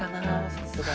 さすがに。